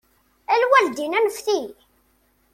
A lwaldin anfet-iyi.